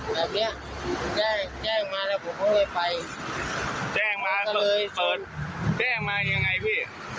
แบบเนี้ยแจ้งแจ้งมาแล้วผมก็เลยไปแจ้งมาแจ้งมายังไงพี่